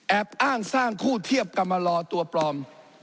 แอบอ้างสร้างคู่เทียบกับมารอตัวปลอม